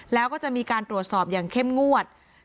แล้วก็จะมีการตรวจสอบอย่างเข้มงวด